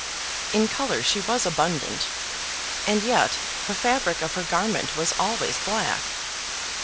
In colour she was abundant, and yet the fabric of her garment was always black.